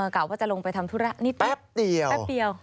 กะว่าจะลงไปทำธุระนี่แป๊บเดียวแป๊บเดียว